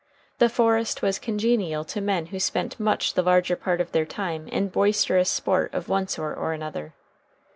The forest was congenial to men who spent much the larger part of their time in boisterous sport of one sort or another.